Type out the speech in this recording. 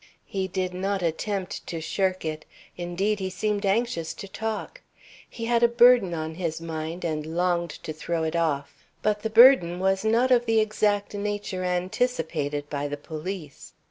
He did not attempt to shirk it. Indeed, he seemed anxious to talk. He had a burden on his mind, and longed to throw it off. But the burden was not of the exact nature anticipated by the police.